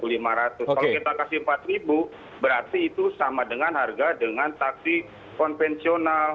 kalau kita kasih rp empat berarti itu sama dengan harga dengan taksi konvensional